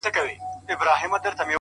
د حُسن وږم دې د سترگو زمانه و نه خوري;